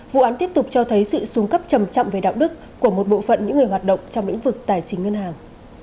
vụ án tiếp tục cho thấy sự xuống cấp trầm trọng về đạo đức của một bộ phận những người hoạt động trong lĩnh vực tài chính ngân hàng